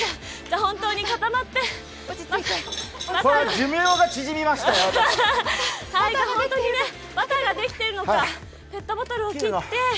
本当にバターができているのか、ペットボトルを切って。